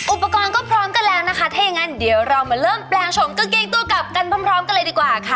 อุปกรณ์ก็พร้อมกันแล้วนะคะถ้าอย่างนั้นเดี๋ยวเรามาเริ่มแปลงชมกางเกงตัวกลับกันพร้อมกันเลยดีกว่าค่ะ